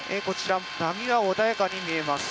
波は穏やかに見えます。